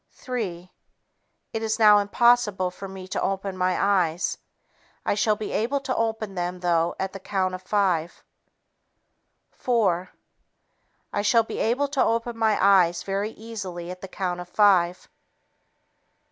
Three ... It is now impossible for me to open my eyes. I shall be able to open them though at the count of five. Four ... I shall be able to open my eyes very easily at the count of five.